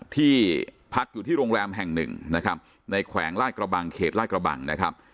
ที่พักอยู่ที่โรงแรมแห่งหนึ่งนะครับในแขวงลาดกระบังเขตลาดกระบังนะครับ